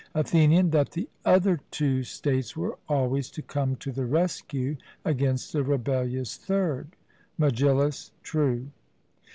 ATHENIAN: That the other two states were always to come to the rescue against a rebellious third. MEGILLUS: True.